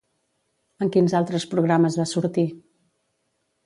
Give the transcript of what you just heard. En quins altres programes va sortir?